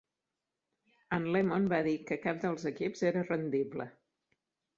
En Lemon va dir que cap dels equips era rendible.